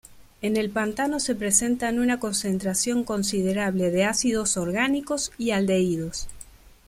En el pantano se presentan una concentración considerable de ácidos orgánicos y aldehídos.